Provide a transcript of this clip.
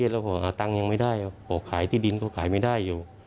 แล้วผมอาตังแยงไม่ได้ออกขายที่ดินก็เขายนไม่ได้